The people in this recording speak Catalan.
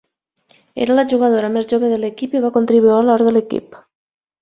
Era la jugadora més jove de l'equip i va contribuir a l'or de l'equip.